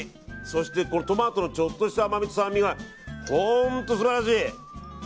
そしてトマトのちょっとした甘みと酸味が本当素晴らしい！